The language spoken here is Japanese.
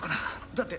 だって。